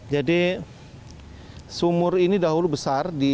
jadi sumur ini dahulu besar di sini